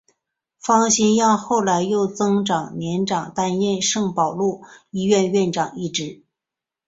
方心让后来又曾长年担任圣保禄医院院长一职。